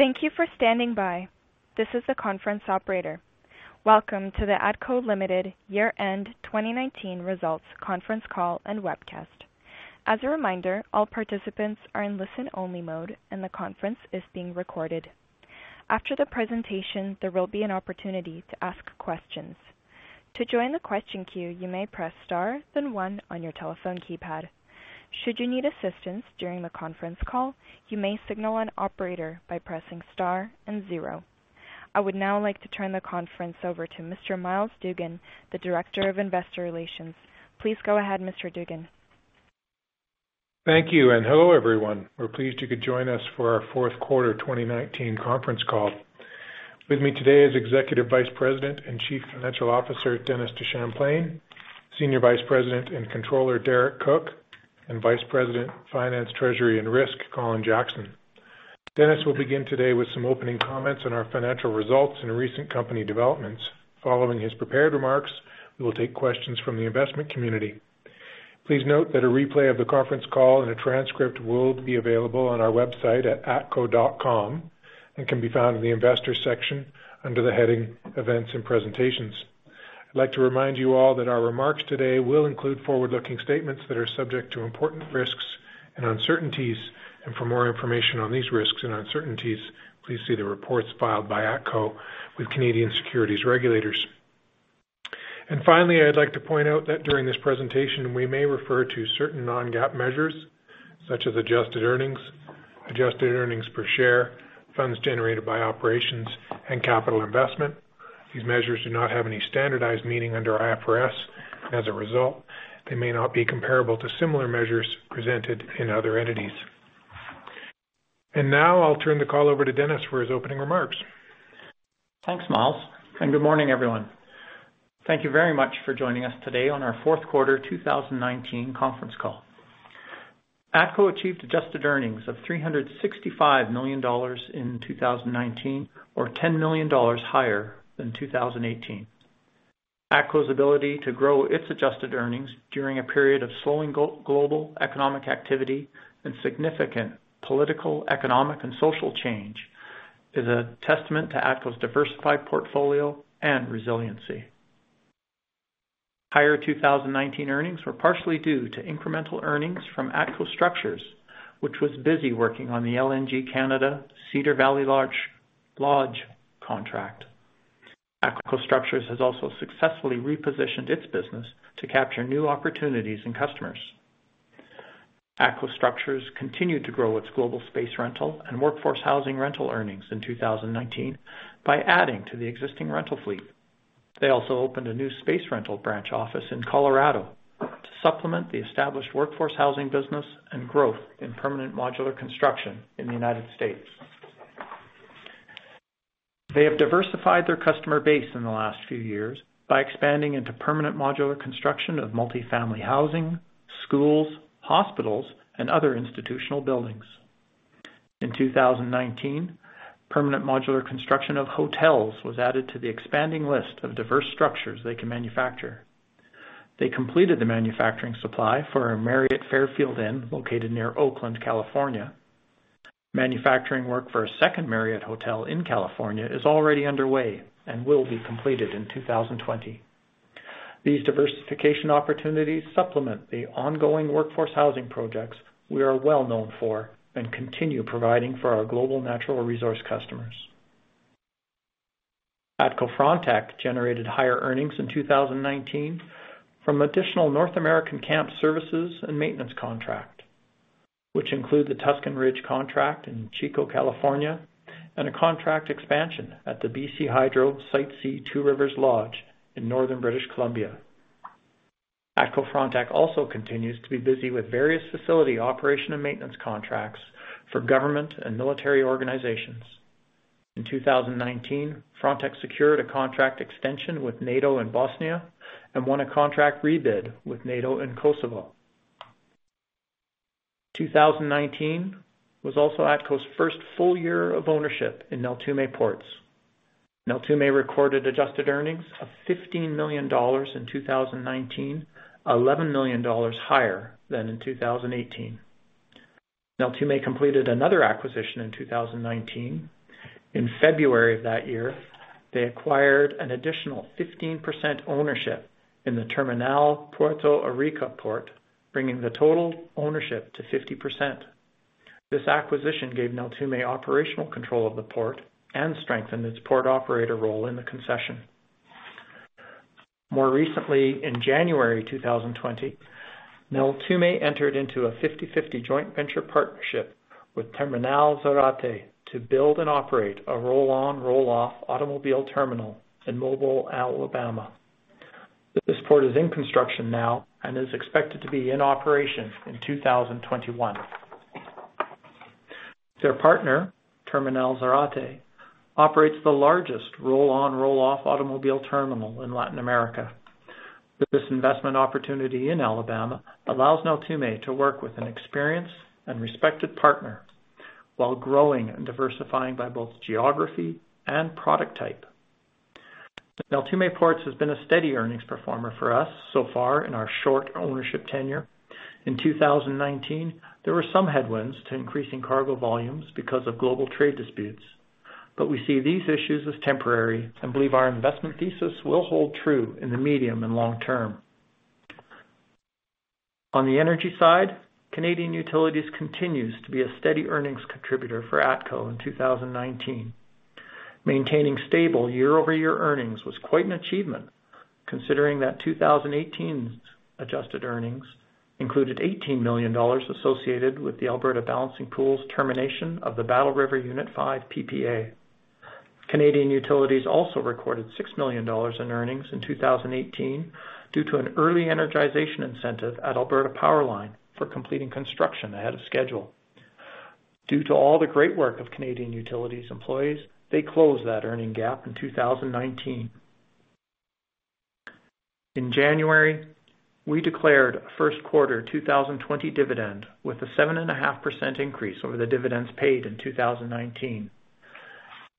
Thank you for standing by. This is the conference operator. Welcome to the ATCO Limited year-end 2019 results conference call and webcast. As a reminder, all participants are in listen only mode and the conference is being recorded. After the presentation, there will be an opportunity to ask questions. To join the question queue, you may press star then one on your telephone keypad. Should you need assistance during the conference call, you may signal an operator by pressing star and zero. I would now like to turn the conference over to Mr. Myles Dougan, the Director of Investor Relations. Please go ahead, Mr. Dougan. Thank you, and hello, everyone. We're pleased you could join us for our fourth quarter 2019 conference call. With me today is Executive Vice President and Chief Financial Officer, Dennis DeChamplain, Senior Vice President and Controller, Derek Cook, and Vice President, Finance, Treasury, and Risk, Colin Jackson. Dennis will begin today with some opening comments on our financial results and recent company developments. Following his prepared remarks, we will take questions from the investment community. Please note that a replay of the conference call and a transcript will be available on our website at atco.com and can be found in the Investor section under the heading Events and Presentations. I'd like to remind you all that our remarks today will include forward-looking statements that are subject to important risks and uncertainties. For more information on these risks and uncertainties, please see the reports filed by ATCO with Canadian securities regulators. Finally, I'd like to point out that during this presentation, we may refer to certain non-GAAP measures such as adjusted earnings, adjusted earnings per share, funds generated by operations, and capital investment. These measures do not have any standardized meaning under IFRS. As a result, they may not be comparable to similar measures presented in other entities. Now I'll turn the call over to Dennis for his opening remarks. Thanks, Myles. Good morning, everyone. Thank you very much for joining us today on our fourth quarter 2019 conference call. ATCO achieved adjusted earnings of 365 million dollars in 2019, or 10 million dollars higher than 2018. ATCO's ability to grow its adjusted earnings during a period of slowing global economic activity and significant political, economic, and social change is a testament to ATCO's diversified portfolio and resiliency. Higher 2019 earnings were partially due to incremental earnings from ATCO Structures, which was busy working on the LNG Canada Cedar Valley Lodge contract. ATCO Structures has also successfully repositioned its business to capture new opportunities and customers. ATCO Structures continued to grow its global space rental and workforce housing rental earnings in 2019 by adding to the existing rental fleet. They also opened a new space rental branch office in Colorado to supplement the established workforce housing business and growth in permanent modular construction in the U.S. They have diversified their customer base in the last few years by expanding into permanent modular construction of multi-family housing, schools, hospitals, and other institutional buildings. In 2019, permanent modular construction of hotels was added to the expanding list of diverse structures they can manufacture. They completed the manufacturing supply for a Fairfield by Marriott located near Oakland, California. Manufacturing work for a second Marriott hotel in California is already underway and will be completed in 2020. These diversification opportunities supplement the ongoing workforce housing projects we are well-known for and continue providing for our global natural resource customers. ATCO Frontec generated higher earnings in 2019 from additional North American camp services and maintenance contract, which include the Tuscan Ridge contract in Chico, California, and a contract expansion at the BC Hydro Site C Two Rivers Lodge in Northern British Columbia. ATCO Frontec also continues to be busy with various facility operation and maintenance contracts for government and military organizations. In 2019, Frontec secured a contract extension with NATO in Bosnia and won a contract rebid with NATO in Kosovo. 2019 was also ATCO's first full year of ownership in Neltume Ports. Neltume recorded adjusted earnings of 15 million dollars in 2019, 11 million dollars higher than in 2018. Neltume completed another acquisition in 2019. In February of that year, they acquired an additional 15% ownership in the Terminal Puerto Arica port, bringing the total ownership to 50%. This acquisition gave Neltume operational control of the port and strengthened its port operator role in the concession. More recently, in January 2020, Neltume entered into a 50/50 joint venture partnership with Terminal Zárate to build and operate a roll-on roll-off automobile terminal in Mobile, Alabama. This port is in construction now and is expected to be in operation in 2021. Their partner, Terminal Zárate, operates the largest roll-on roll-off automobile terminal in Latin America. This investment opportunity in Alabama allows Neltume to work with an experienced and respected partner while growing and diversifying by both geography and product type. Neltume Ports has been a steady earnings performer for us so far in our short ownership tenure. In 2019, there were some headwinds to increasing cargo volumes because of global trade disputes. We see these issues as temporary and believe our investment thesis will hold true in the medium and long term. On the energy side, Canadian Utilities continues to be a steady earnings contributor for ATCO in 2019. Maintaining stable year-over-year earnings was quite an achievement, considering that 2018's adjusted earnings included 18 million dollars associated with the Alberta Balancing Pool's termination of the Battle River Unit 5 PPA. Canadian Utilities also recorded 6 million dollars in earnings in 2018 due to an early energization incentive at Alberta Power Line for completing construction ahead of schedule. Due to all the great work of Canadian Utilities employees, they closed that earning gap in 2019. In January, we declared a first quarter 2020 dividend with a 7.5% increase over the dividends paid in 2019.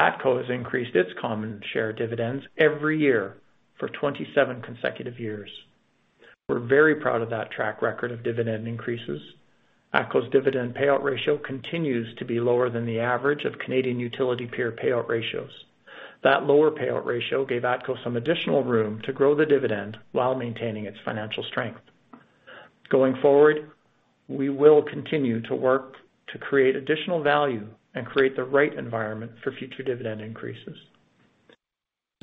ATCO has increased its common share dividends every year for 27 consecutive years. We're very proud of that track record of dividend increases. ATCO's dividend payout ratio continues to be lower than the average of Canadian Utility peer payout ratios. That lower payout ratio gave ATCO some additional room to grow the dividend while maintaining its financial strength. Going forward, we will continue to work to create additional value and create the right environment for future dividend increases.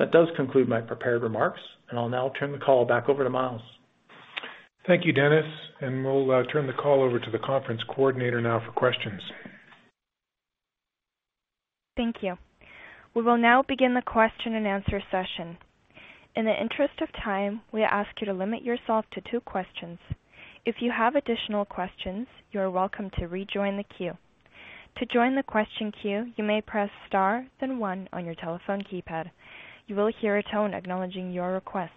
That does conclude my prepared remarks, and I'll now turn the call back over to Myles. Thank you, Dennis, and we'll turn the call over to the conference coordinator now for questions. Thank you. We will now begin the question-and-answer session. In the interest of time, we ask you to limit yourself to two questions. If you have additional questions, you are welcome to rejoin the queue. To join the question queue, you may press star then one on your telephone keypad. You will hear a tone acknowledging your request.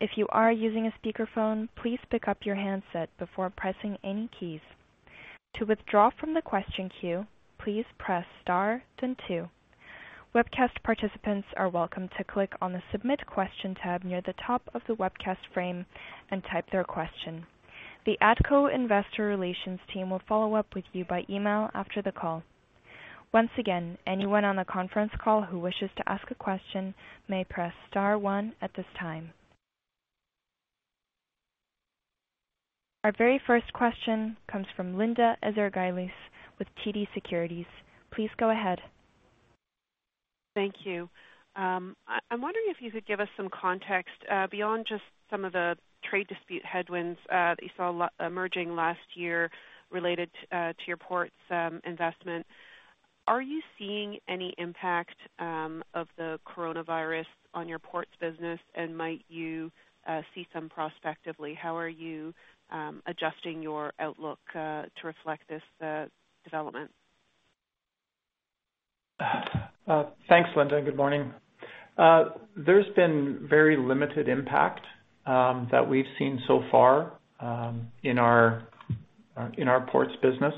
If you are using a speakerphone, please pick up your handset before pressing any keys. To withdraw from the question queue, please press star then two. Webcast participants are welcome to click on the Submit Question tab near the top of the webcast frame and type their question. The ATCO Investor Relations team will follow up with you by email after the call. Once again, anyone on the conference call who wishes to ask a question may press star one at this time. Our very first question comes from Linda Ezergailis with TD Securities. Please go ahead. Thank you. I'm wondering if you could give us some context beyond just some of the trade dispute headwinds that you saw emerging last year related to your port's investment. Are you seeing any impact of the coronavirus on your ports business, and might you see some prospectively? How are you adjusting your outlook to reflect this development? Thanks, Linda. Good morning. There's been very limited impact that we've seen so far in our ports business.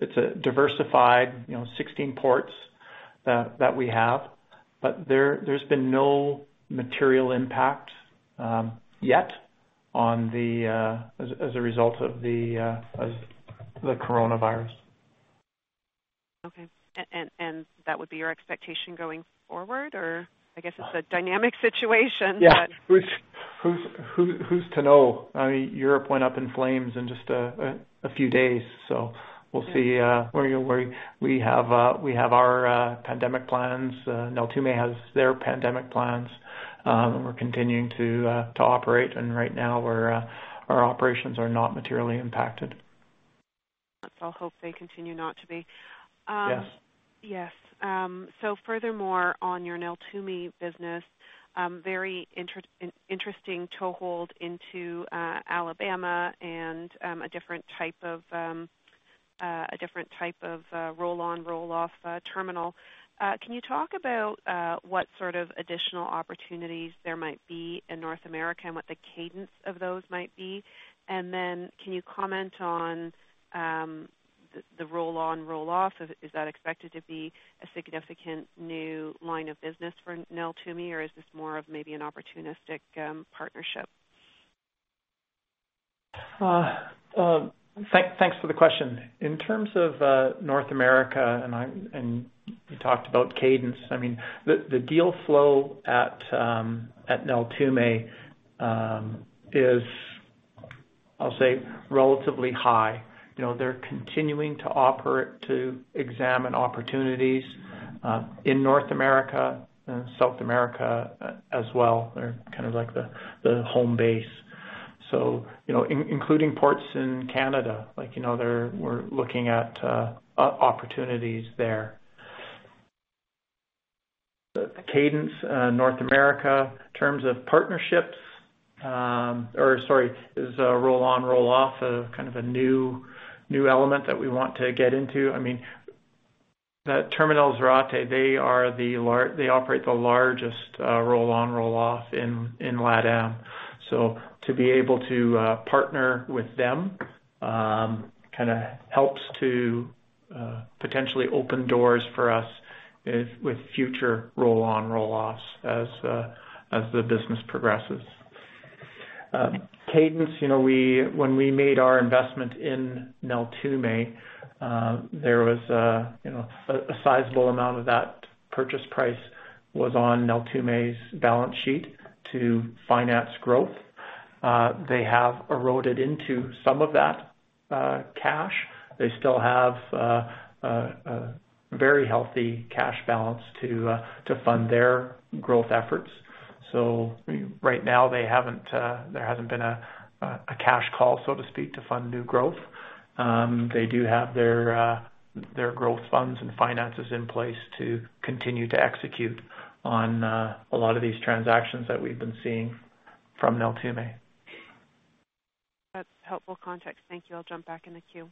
It's a diversified 16 ports that we have. There's been no material impact yet as a result of the coronavirus. Okay. That would be your expectation going forward, or I guess it's a dynamic situation? Yeah. Who's to know? Europe went up in flames in just a few days. We'll see where. We have our pandemic plans. Neltume has their pandemic plans. We're continuing to operate, and right now our operations are not materially impacted. Let's all hope they continue not to be. Yes. Yes. Furthermore, on your Neltume business, very interesting toehold into Alabama and a different type of roll-on roll-off terminal. Can you talk about what sort of additional opportunities there might be in North America and what the cadence of those might be? Can you comment on the roll-on roll-off? Is that expected to be a significant new line of business for Neltume, or is this more of maybe an opportunistic partnership? Thanks for the question. In terms of North America, you talked about cadence. The deal flow at Neltume is, I'll say, relatively high. They're continuing to operate to examine opportunities in North America and South America as well. They're kind of like the home base. Including ports in Canada, we're looking at opportunities there. The cadence North America in terms of partnerships or, sorry, is roll-on-roll-off a new element that we want to get into? At Terminal Zárate, they operate the largest roll-on-roll-off in LATAM. To be able to partner with them kind of helps to potentially open doors for us with future roll-on-roll-offs as the business progresses. Cadence, when we made our investment in Neltume, a sizable amount of that purchase price was on Neltume's balance sheet to finance growth. They have eroded into some of that cash. They still have a very healthy cash balance to fund their growth efforts. Right now there hasn't been a cash call, so to speak, to fund new growth. They do have their growth funds and finances in place to continue to execute on a lot of these transactions that we've been seeing from Neltume. That's helpful context. Thank you. I'll jump back in the queue.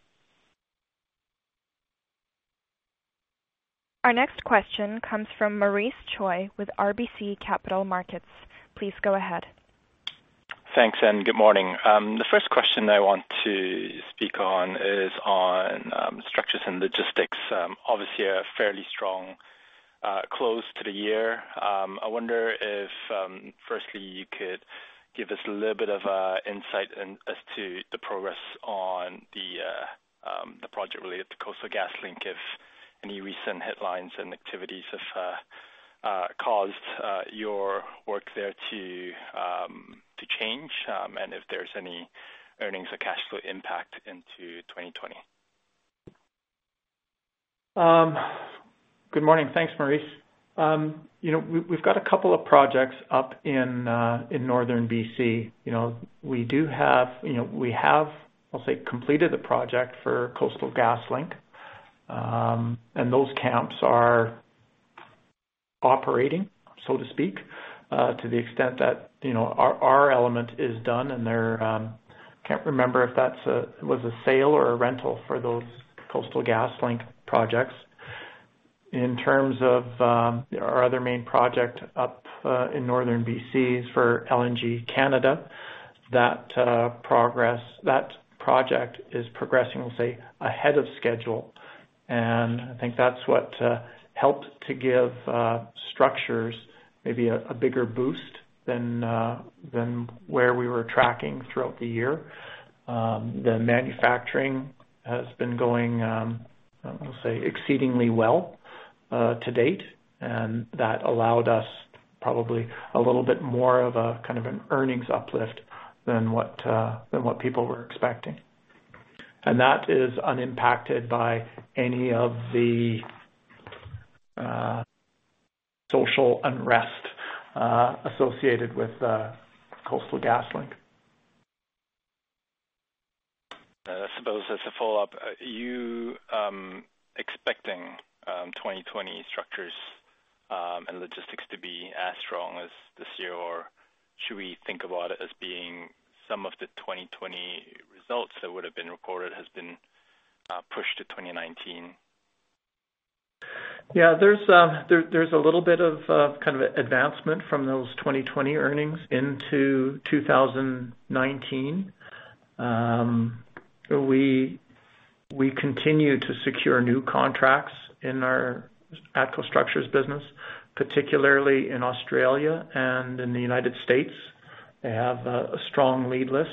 Our next question comes from Maurice Choy with RBC Capital Markets. Please go ahead. Thanks. Good morning. The first question I want to speak on is on Structures and Logistics. Obviously, a fairly strong close to the year. I wonder if, firstly, you could give us a little bit of insight as to the progress on the project related to Coastal GasLink, if any recent headlines and activities have caused your work there to change, and if there's any earnings or cash flow impact into 2020. Good morning. Thanks, Maurice. We've got a couple of projects up in northern B.C. We have, I'll say, completed the project for Coastal GasLink. Those camps are operating, so to speak, to the extent that our element is done and there. Can't remember if that was a sale or a rental for those Coastal GasLink projects. In terms of our other main project up in northern B.C. for LNG Canada, that project is progressing, I'll say, ahead of schedule, and I think that's what helped to give structures maybe a bigger boost than where we were tracking throughout the year. The manufacturing has been going, I'll say, exceedingly well to date, and that allowed us probably a little bit more of a kind of an earnings uplift than what people were expecting. That is unimpacted by any of the social unrest associated with Coastal GasLink. I suppose as a follow-up, are you expecting 2020 Structures and Logistics to be as strong as this year, or should we think about it as being some of the 2020 results that would have been recorded has been pushed to 2019? Yeah, there's a little bit of kind of advancement from those 2020 earnings into 2019. We continue to secure new contracts in our ATCO Structures business, particularly in Australia and in the United States. They have a strong lead list.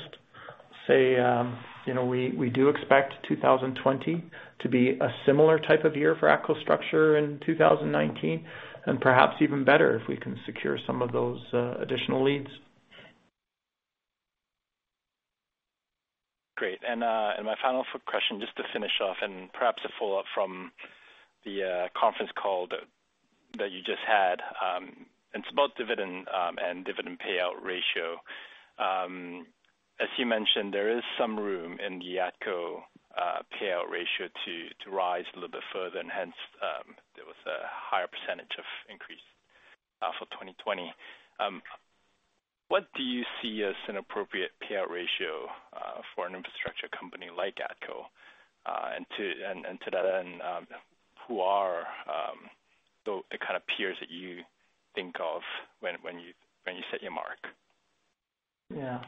I'll say we do expect 2020 to be a similar type of year for ATCO Structures in 2019, and perhaps even better if we can secure some of those additional leads. Great. My final question, just to finish off and perhaps a follow-up from the conference call that you just had. It's about dividend and dividend payout ratio. As you mentioned, there is some room in the ATCO payout ratio to rise a little bit further, and hence, there was a higher percentage of increase for 2020. What do you see as an appropriate payout ratio for an infrastructure company like ATCO? To that end, who are the kind of peers that you think of when you set your mark? Yeah.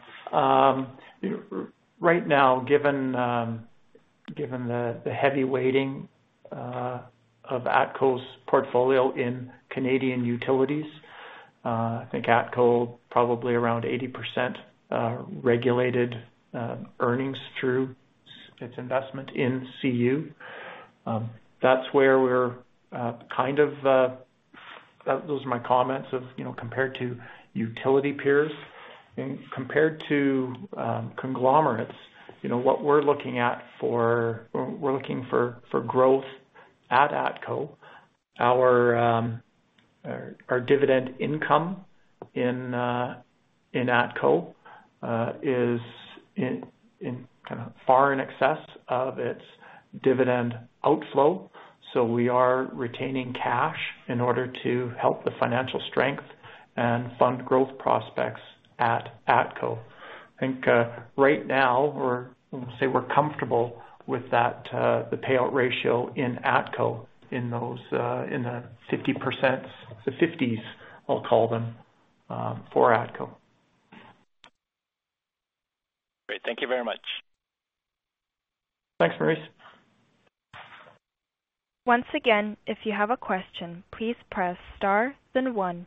Right now, given the heavy weighting of ATCO's portfolio in Canadian Utilities, I think ATCO probably around 80% regulated earnings through its investment in CU. Those are my comments of compared to utility peers and compared to conglomerates. What we're looking at for growth at ATCO, our dividend income in ATCO is far in excess of its dividend outflow. We are retaining cash in order to help the financial strength and fund growth prospects at ATCO. I think right now, we're comfortable with the payout ratio in ATCO in the 50%, the fifties, I'll call them, for ATCO. Great. Thank you very much. Thanks, Maurice. Once again, if you have a question, please press star then one.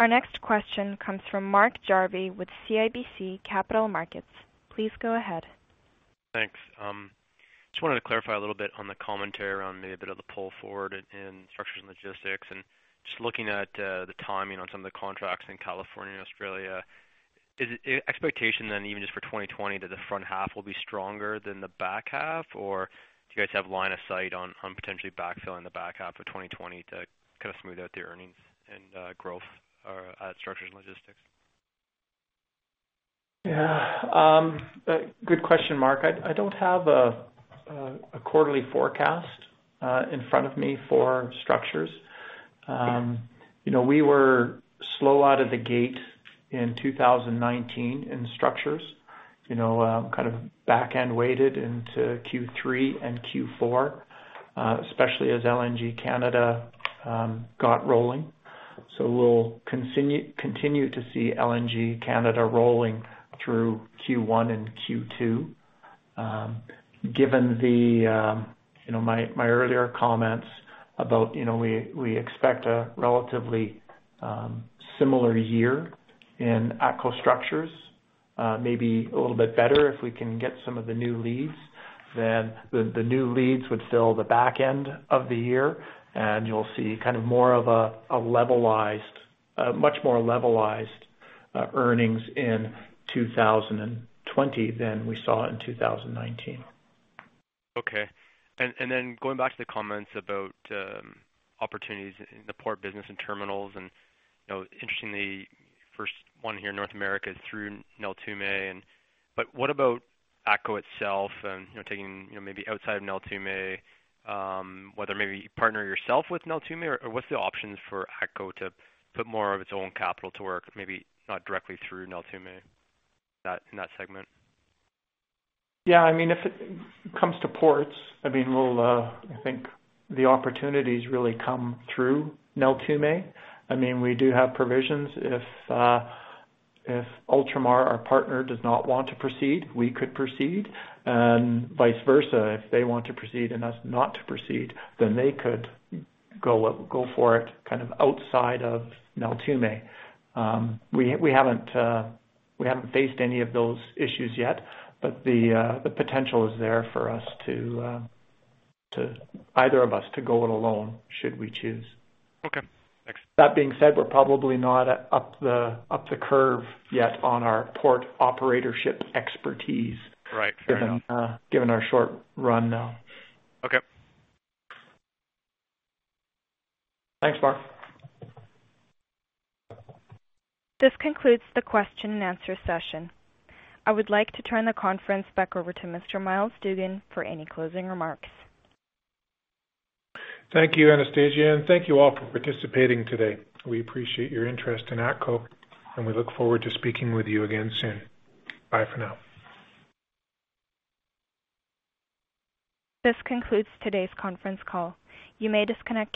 Our next question comes from Mark Jarvi with CIBC Capital Markets. Please go ahead. Thanks. Just wanted to clarify a little bit on the commentary around maybe a bit of the pull forward in Structures and Logistics, and just looking at the timing on some of the contracts in California and Australia. Is it expectation, even just for 2020, that the front half will be stronger than the back half? Do you guys have line of sight on potentially backfilling the back half of 2020 to kind of smooth out the earnings and growth at Structures and Logistics? Yeah. Good question, Mark. I don't have a quarterly forecast in front of me for Structures. We were slow out of the gate in 2019 in ATCO Structures. Kind of back-end weighted into Q3 and Q4, especially as LNG Canada got rolling. We'll continue to see LNG Canada rolling through Q1 and Q2. Given my earlier comments about we expect a relatively similar year in ATCO Structures. Maybe a little bit better if we can get some of the new leads, then the new leads would fill the back end of the year, and you'll see much more levelized earnings in 2020 than we saw in 2019. Okay. Going back to the comments about opportunities in the port business and terminals, interestingly, first one here in North America is through Neltume. What about ATCO itself and taking maybe outside of Neltume whether maybe you partner yourself with Neltume or what's the options for ATCO to put more of its own capital to work, maybe not directly through Neltume in that segment? Yeah, if it comes to ports, I think the opportunities really come through Neltume. We do have provisions. If Ultramar, our partner, does not want to proceed, we could proceed, and vice versa. If they want to proceed and us not to proceed, they could go for it outside of Neltume. We haven't faced any of those issues yet, the potential is there for either of us to go it alone should we choose. Okay. Thanks. That being said, we're probably not up the curve yet on our port operatorship expertise. Right. Fair enough. Given our short run now. Okay. Thanks, Mark. This concludes the question and answer session. I would like to turn the conference back over to Mr. Myles Dougan for any closing remarks. Thank you, Anastasia, and thank you all for participating today. We appreciate your interest in ATCO. We look forward to speaking with you again soon. Bye for now. This concludes today's conference call. You may disconnect.